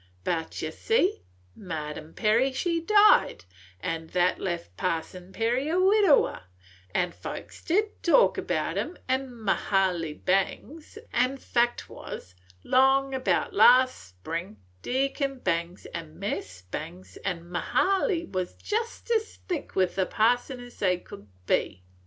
But ye see Ma'am Perry she died, an' that left Parson Perry a widower, an' folks did talk about him an' Mahaley Bangs, an' fact was, 'long about last spring, Deacon Bangs an' Mis' Bangs an' Mahaley wus jest as thick with the Parson as they could be.